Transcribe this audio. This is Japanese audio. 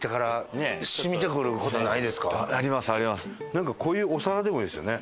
なんかこういうお皿でもいいですよね。